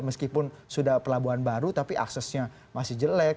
meskipun sudah pelabuhan baru tapi aksesnya masih jelek